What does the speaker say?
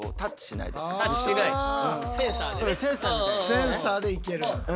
センサーで行ける。